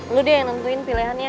gue yang nentuin pilihannya